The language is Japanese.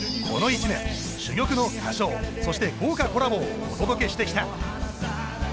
この一年珠玉の歌唱そして豪華コラボをお届けしてきた。